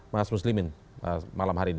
mas muslimin malam hari ini